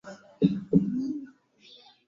nyingine za afrika mashariki mfano uganda makabila